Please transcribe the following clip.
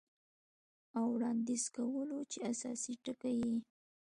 او وړاندې کولو چې اساسي ټکي یې